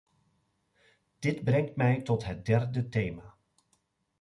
Dit brengt mij tot het derde thema.